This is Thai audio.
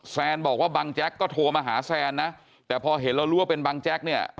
แซนบอกว่าบังแจ๊กก็โทรมาหาแซนนะแต่พอเห็นแล้วรู้ว่าเป็นบังแจ๊กเนี่ย